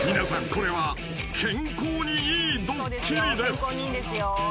これは健康にいいドッキリです］